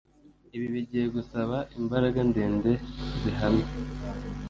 Ibi bigiye gusaba imbaraga ndende zihamye.